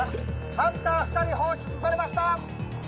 ハンター２人放出されました。